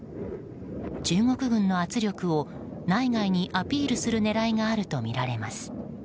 中国軍の圧力を内外にアピールする狙いがあるとみられます。